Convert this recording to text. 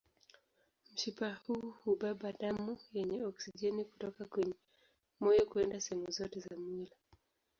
Mshipa huu hubeba damu yenye oksijeni kutoka kwenye moyo kwenda sehemu zote za mwili.